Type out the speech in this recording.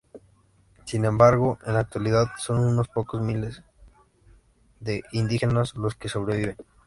Sin embargo, en la actualidad son unos pocos miles de indígenas los que sobreviven.